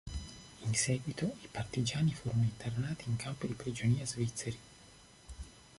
In seguito i partigiani furono internati in campi di prigionia svizzeri.